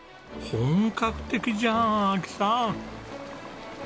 本格的じゃん亜紀さん！